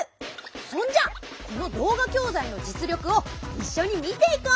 そんじゃこの動画教材の実力を一緒に見ていこう！